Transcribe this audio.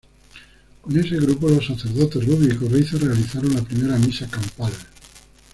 Con ese grupo, los sacerdotes Rubio y Correia realizaron la primera misa campal.